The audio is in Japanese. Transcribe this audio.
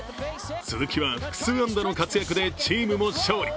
鈴木は複数安打の活躍でチームも勝利。